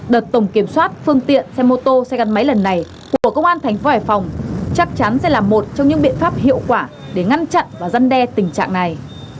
đợt tổng kiểm soát phương tiện xe mô tô xe gắn máy lần này của công an thành phố hải phòng chắc chắn sẽ là một trong những biện pháp hiệu quả để ngăn chặn và giăn đe tình trạng này